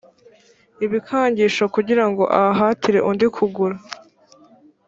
ibikangisho kugira ngo ahatire undi kugura